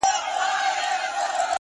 نیک نیت بدې فضاوې نرموي.